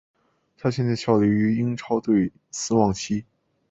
他现在效力于英超球队斯旺西。